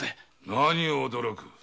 何を驚く。